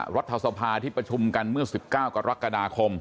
รัฐสภาที่ประชุมกันเมื่อ๑๙กรกฎาคม